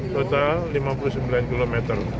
total lima puluh sembilan km